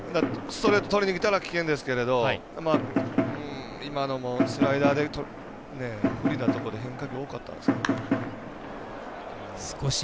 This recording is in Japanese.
ストレートとりにきたら危険ですけれど今のもスライダーで無理なところで変化球多かったんですけど。